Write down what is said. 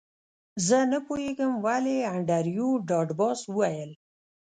زه نه پوهیږم ولې انډریو ډاټ باس وویل